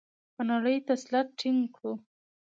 په نړۍ تسلط ټینګ کړو؟